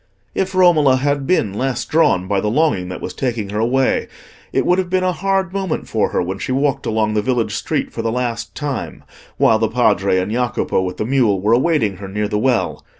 If Romola had been less drawn by the longing that was taking her away, it would have been a hard moment for her when she walked along the village street for the last time, while the Padre and Jacopo, with the mule, were awaiting her near the well.